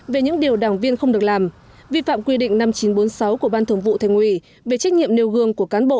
về những điều đảng viên không được làm vi phạm quy định năm nghìn chín trăm bốn mươi sáu của ban thường vụ thành ủy về trách nhiệm nêu gương của cán bộ